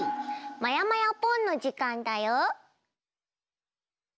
「まやまやぽん！」の時間だよ。